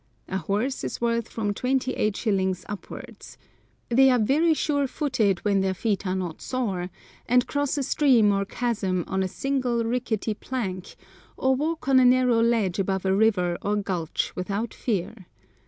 A horse is worth from twenty eight shillings upwards. They are very sure footed when their feet are not sore, and cross a stream or chasm on a single rickety plank, or walk on a narrow ledge above a river or gulch without fear.